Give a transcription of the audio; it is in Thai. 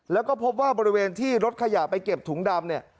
แล้วก็พบว่าบริเวณที่รถขยะไปเก็บถุงดำเนี่ย